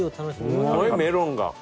トシ：すごい、メロンが。